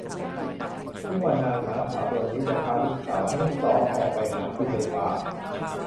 ทุกวันนางหมาขาวตัวนี้จะพาลูกสาวทั้งสองออกไปหากินในป่า